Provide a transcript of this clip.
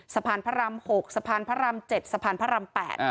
สภานพระราม๖สภารพระราม๗สภานพระราม๘